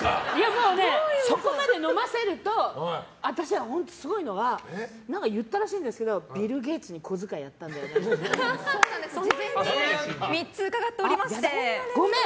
もうね、そこまで飲ませると私は本当、すごいのは何か言ったらしいんですけどビル・ゲイツに小遣い事前に３つ伺っております。